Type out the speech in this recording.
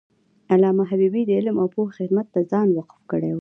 علامه حبیبي د علم او پوهې خدمت ته ځان وقف کړی و.